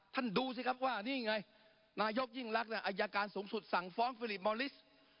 ดูสิครับว่านี่ไงนายกยิ่งรักอายการสูงสุดสั่งฟ้องฟิลิปมอลิส